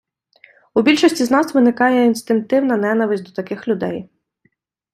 У більшості з нас виникає інстинктивна ненависть до таких людей.